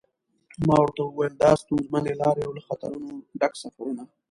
ما ورته و ویل دا ستونزمنې لارې او له خطرونو ډک سفرونه.